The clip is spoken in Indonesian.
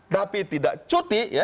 tapi tidak cuti